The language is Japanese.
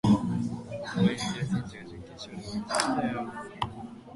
応援してる選手が準決勝で負けちゃったよ